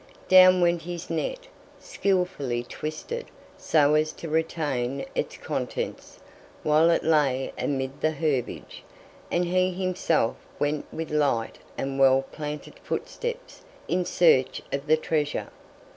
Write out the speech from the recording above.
Down went his net, skilfully twisted so as to retain its contents, while it lay amid the herbage, and he himself went with light and well planted footsteps in search of the treasure.